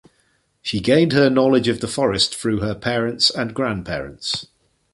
She gained her knowledge of the forest through her parents and grandparents.